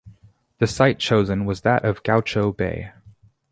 The site chosen was that of Gaucho Bay.